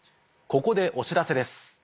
ここでお知らせです。